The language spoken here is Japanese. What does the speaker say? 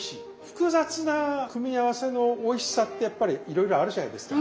複雑な組み合わせのおいしさってやっぱりいろいろあるじゃないですか。